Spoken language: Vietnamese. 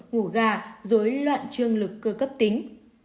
ngủ gà dối loạn trương lực cơ cấp tính